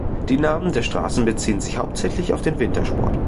Die Namen der Straßen beziehen sich hauptsächlich auf den Wintersport.